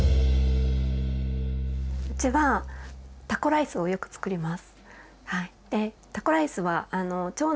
うちはタコライスをよくつくります。